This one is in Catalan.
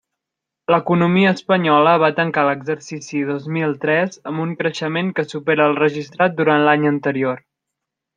L'economia espanyola va tancar l'exercici dos mil tres amb un creixement que supera el registrat durant l'any anterior.